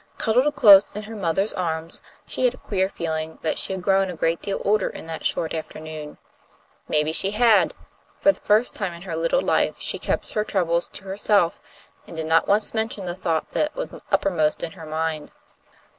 Cuddled close in her mother's arms, she had a queer feeling that she had grown a great deal older in that short afternoon. Maybe she had. For the first time in her little life she kept her troubles to herself, and did not once mention the thought that was uppermost in her mind.